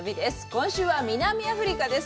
今週は南アフリカです。